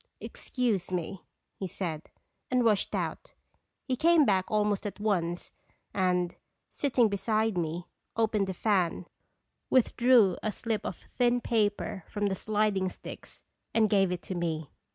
" Excuse me," he said, and rushed out. He came back almost at once, and, sitting beside me, opened the fan, withdrew a slip of thin paper from the sliding sticks and gave it to me.